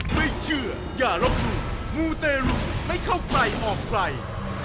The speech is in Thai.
ไม่เชื่ออย่ารับมูลมูเตรลุไม่เข้าใกล้ออกไกล